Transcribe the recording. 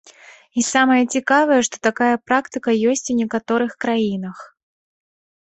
І самае цікавае, што такая практыка ёсць у некаторых краінах.